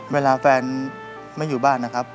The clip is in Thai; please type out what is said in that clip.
เวลาแฟนไม่อยู่บ้านนะครับ